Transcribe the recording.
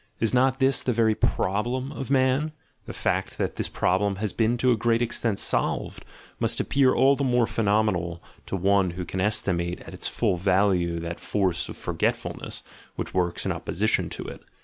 Is not this the very problem of man? The fact that this problem has been to a great extent solved, must appear all the more phenomenal to one who can estimate at its full value that force of jorgetfulness which works in opposition to it.